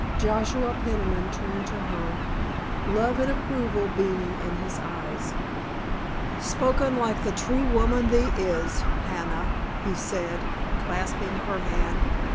Joshua Peniman turned to her, love and approval beaming in his eyes. "Spoken like the true woman thee is, Hannah," he said, clasping her hand.